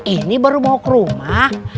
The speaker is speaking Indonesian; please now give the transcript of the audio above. ini baru mau ke rumah